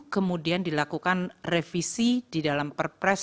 kemudian dilakukan revisi di dalam perpres dua ribu dua puluh